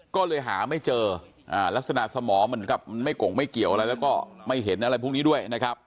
ก็เลยหาไม่เจอลักษณะสมองเหมือนกับมันไม่ก่งไม่เกี่ยวอะไรแล้วก็ไม่เห็นอะไรพวกนี้ด้วยนะครับ